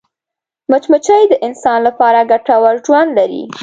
مچمچۍ د انسان لپاره ګټور ژوند لري